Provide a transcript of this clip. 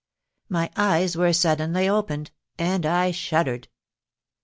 My eyes were suddenly opened—and I shuddered.